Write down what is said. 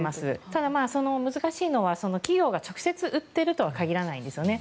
ただ、難しいのは企業が直接売っているとは限らないんですよね。